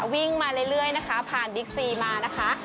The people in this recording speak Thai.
วิ่งมาเรื่อยนะคะผ่านบิ๊กซีมานะคะ